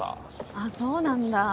あそうなんだ。